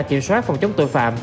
chỉnh soát phòng chống tội phạm